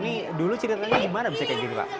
ini dulu ceritanya gimana bisa kayak gini pak